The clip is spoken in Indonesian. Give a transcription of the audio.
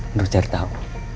untuk cari tau